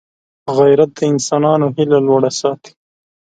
غیرت د انسان هیله لوړه ساتي